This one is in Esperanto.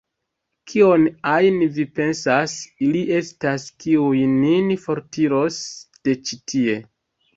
Kion ajn vi pensas, ili estas, kiuj nin fortiros de ĉi tie.